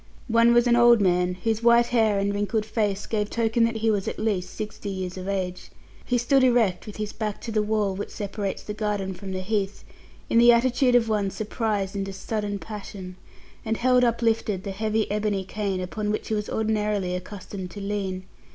One was an old man, whose white hair and wrinkled face gave token that he was at least sixty years of age. He stood erect with his back to the wall, which separates the garden from the Heath, in the attitude of one surprised into sudden passion, and held uplifted the heavy ebony cane upon which he was ordinarily accustomed to lean.